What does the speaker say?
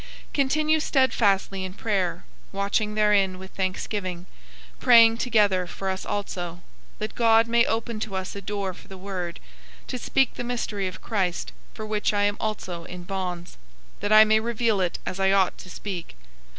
004:002 Continue steadfastly in prayer, watching therein with thanksgiving; 004:003 praying together for us also, that God may open to us a door for the word, to speak the mystery of Christ, for which I am also in bonds; 004:004 that I may reveal it as I ought to speak.